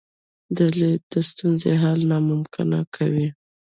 دا لید د ستونزې حل ناممکن کوي.